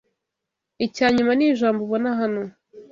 Icya nyuma ni ijambo ubona hano